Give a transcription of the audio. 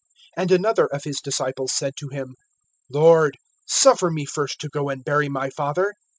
(21)And another of his disciples said to him: Lord, suffer me first to go and bury my father.